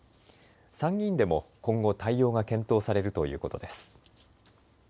参議院でも今後、対応が検討されるということです。